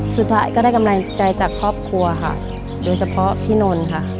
สุดท้ายก็ได้กำลังใจจากครอบครัวค่ะโดยเฉพาะพี่นนท์ค่ะ